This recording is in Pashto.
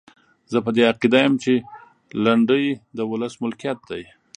زه په دې عقیده یم چې لنډۍ د ولس ملکیت دی.